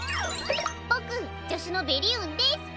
ボクじょしゅのベリウンです。